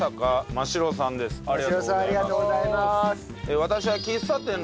真白さんありがとうございます。